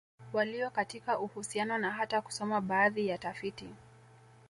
Walio katika uhusiano na hata kusoma baadhi ya tafiti